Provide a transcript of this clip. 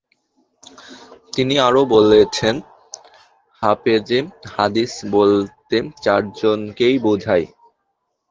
তিনি আরও বলেছেনঃ ‘হাফেজে হাদিস বলতে চারজনকেই বুঝায় ।